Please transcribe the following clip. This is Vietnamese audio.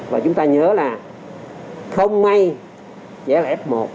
và chúng ta nhớ là không may trẻ là f một